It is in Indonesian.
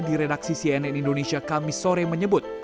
di redaksi cnn indonesia kamis sore menyebut